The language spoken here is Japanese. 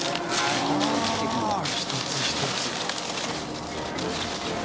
一つ一つ。